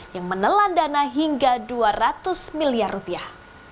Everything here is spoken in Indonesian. yang menelan dana hingga dua ratus miliar rupiah